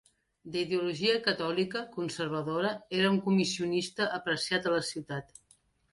D'ideologia catòlica conservadora, era un comissionista apreciat a la ciutat.